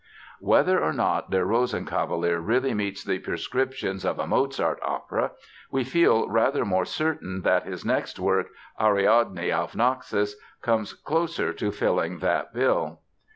Whether or not "Der Rosenkavalier" really meets the prescriptions of a "Mozart opera" we feel rather more certain that his next work, Ariadne auf Naxos comes closer to filling that bill.